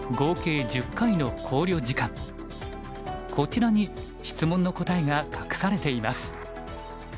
こちらに質問の答えが隠されています。